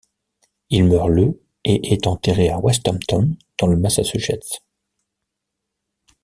Il meurt le et est enterré à Westhampton dans le Massachusetts.